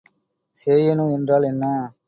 சேயணு என்றால் என்ன?